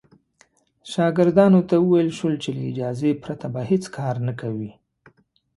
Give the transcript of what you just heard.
شاګردانو ته وویل شول چې له اجازې پرته به هېڅ کار نه کوي.